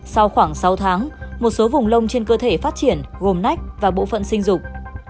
sau khoảng sáu tháng một số vùng lông trên cơ thể phát triển gồm nách và bộ phận sinh dục